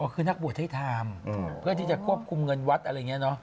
คือนักบวชให้ทำเพื่อที่จะควบคุมเงินวัดอะไรอย่างนี้เนอะ